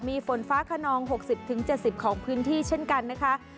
มีฝนฟ้าคนองหกสิบถึงเจ็ดสิบของพื้นที่เช่นกันนะคะ